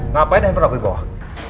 ngapain handphone aku di bawah